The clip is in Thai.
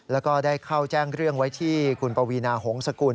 แล้วก็ได้เข้าแจ้งเรื่องไว้ที่คุณปวีนาหงษกุล